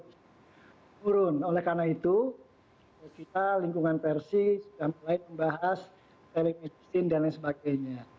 menurun oleh karena itu kita lingkungan versi sudah mulai membahas dari medicine dan lain sebagainya